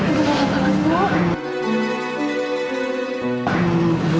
ibu mau apaan bu